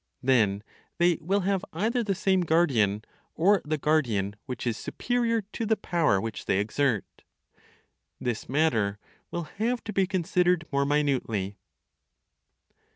Then they will have either the same guardian, or the guardian which is superior to the power which they exert. This matter will have to be considered more minutely.